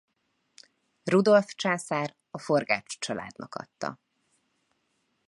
Rudolf császár a Forgách családnak adta.